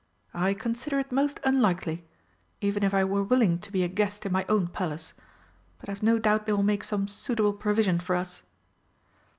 "I consider it most unlikely even if I were willing to be a guest in my own Palace. But I've no doubt they will make some suitable provision for us."